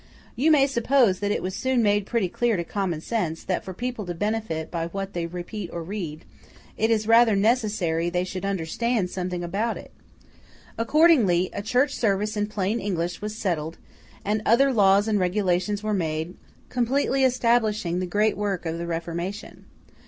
You may suppose that it was soon made pretty clear to common sense, that for people to benefit by what they repeat or read, it is rather necessary they should understand something about it. Accordingly, a Church Service in plain English was settled, and other laws and regulations were made, completely establishing the great work of the Reformation.